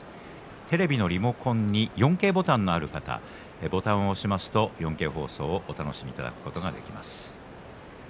テレビのリモコンに４Ｋボタンがある方はボタンを押しますと４Ｋ放送をお楽しみいただくことができます。